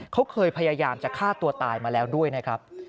เขาเคยพยายามจะฆ่าตัวตายมาแล้วด้วยนะครับ